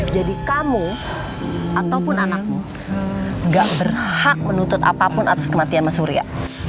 kamu ataupun anakmu gak berhak menuntut apapun atas kematian mas surya